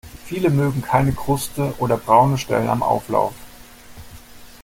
Viele mögen keine Kruste oder braune Stellen am Auflauf.